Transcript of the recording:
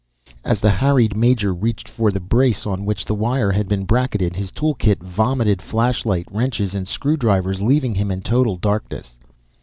As the harried major reached for the brace on which the wire had been bracketed, his tool kit vomited flashlight, wrenches and screwdrivers, leaving him in total darkness.